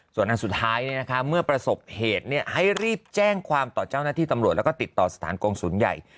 ส่วนอันสุดท้ายเมื่อประสบเหตุให้รีบแจ้งความต่อเจ้าหน้าที่ตำรวจแล้วก็ติดต่อสถานกงศูนย์ใหญ่